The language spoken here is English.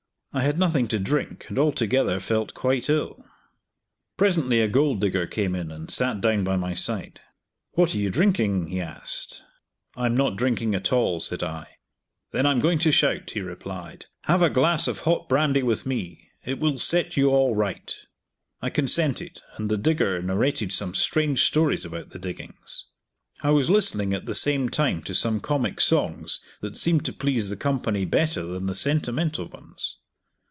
I had nothing to drink, and altogether felt quite ill. Presently a gold digger came in and sat down by my side. "What are you drinking?" he asked. "I am not drinking at all," said I. "Then I'm going to shout," he replied. "Have a glass of hot brandy with me; it will set you all right." I consented, and the digger narrated some strange stories about the diggings. I was listening at the same time to some comic songs that seemed to please the company better than the sentimental ones.